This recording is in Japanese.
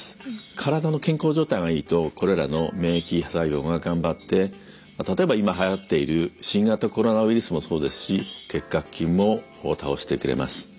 体の健康状態がいいとこれらの免疫細胞が頑張ってまあ例えば今はやっている新型コロナウイルスもそうですし結核菌も倒してくれます。